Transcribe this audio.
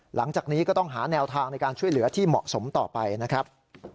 หลังจากนี้ก็ต้องหาแนวทางในการช่วยเหลือที่เหมาะสมต่อไปนะครับ